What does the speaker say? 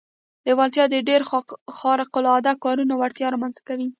لېوالتیا د ډېرو خارق العاده کارونو وړتیا رامنځته کوي